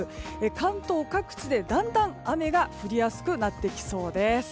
関東各地でだんだん雨が降りやすくなってきそうです。